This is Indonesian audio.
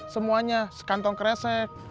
semuanya sekantong keresek